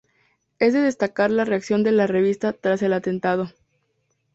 Es de destacar la reacción de la revista tras el atentado.